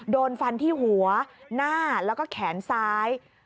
โดนฟันที่หัวหน้าแล้วก็แขนซ้าย